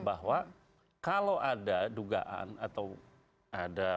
bahwa kalau ada dugaan atau ada